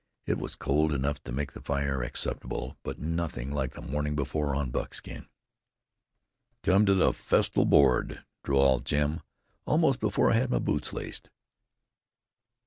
It was cold enough to make the fire acceptable, but nothing like the morning before on Buckskin. "Come to the festal board," drawled Jim, almost before I had my boots laced.